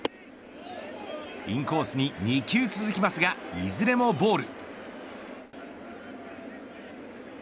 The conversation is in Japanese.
インコースに２球続きますがいずれもボール。